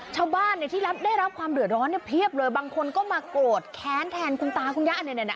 ชาวบ้านนี่ที่ได้รับความเหลือร้อนเนี่ยเภียบเลยบางคนก็มาโกรธแค้นแทนคุณตาคุณย่านแบบนี้แบบนี้